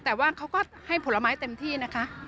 แต่ว่าเขาก็ให้ผลไม้เต็มที่นะคะ